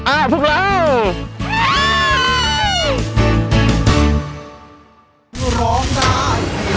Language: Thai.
อ้าวพวกเรา